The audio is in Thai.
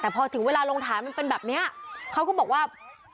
แต่พอถึงเวลาลงฐานมันเป็นแบบนี้เขาก็บอกว่า